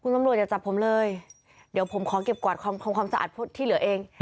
ตำรวจอย่าจับผมเลยเดี๋ยวผมขอเก็บกวาดความสะอาดที่เหลือเอง